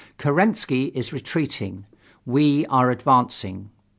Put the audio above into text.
Kerensky is retreating, we are advancing.